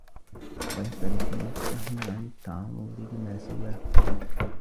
وَيَصْرِفَ نَفْسَهُ عَنْ التَّعَرُّضِ لِمَا سِوَاهُ